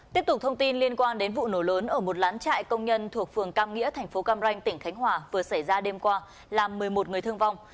tiếp tục thông tin liên quan đến vụ nổ lớn ở một lán trại công nhân thuộc phường cam nghĩa tp cam ranh tỉnh khánh hòa vừa xảy ra đêm qua làm một mươi một người thương vong